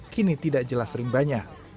kini tidak jelas sering banyak